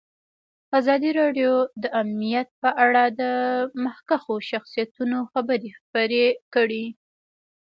ازادي راډیو د امنیت په اړه د مخکښو شخصیتونو خبرې خپرې کړي.